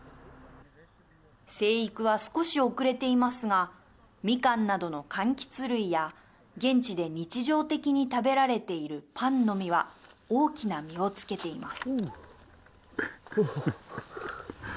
生育は少し遅れていますがみかんなどのかんきつ類や現地で日常的に食べられているパンの実は大きな実をつけています。